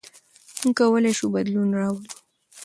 موږ کولای شو بدلون راوړو.